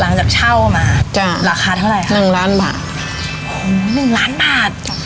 หลังจากเช่ามาจ้ะราคาเท่าไหร่หนึ่งล้านบาทโอ้โหหนึ่งล้านบาทจ้ะ